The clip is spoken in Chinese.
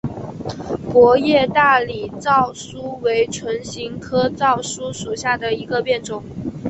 薄叶大理糙苏为唇形科糙苏属下的一个变种。